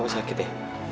aku sakit ya